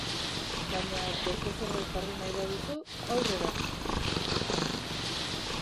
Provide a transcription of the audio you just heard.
Baina beste zerbait jarri nahi baduzu, aurrera!